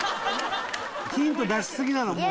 ヒント出しすぎなのもう。